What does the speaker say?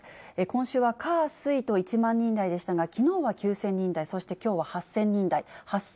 今週は火、水と１万人台でしたが、きのうは９０００人台、そしてきょうは８０００人台。